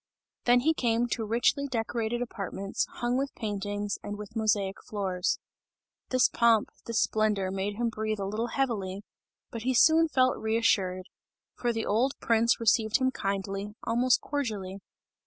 Then he came to richly decorated apartments, hung with paintings and with mosaic floors. This pomp, this splendour made him breathe a little heavily, but he soon felt reassured; for the old prince, received him kindly, almost cordially.